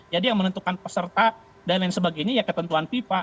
jadi yang menentukan peserta dan lain sebagainya ya ketentuan viva